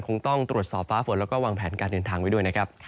คงต้องตรวจสอบฟ้าฝนแล้วก็วางแผนการเดินทางไว้ด้วยนะครับ